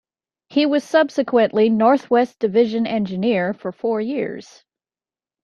He was subsequently Northwest Division Engineer for four years.